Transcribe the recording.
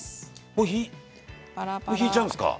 もうひいちゃうんですか？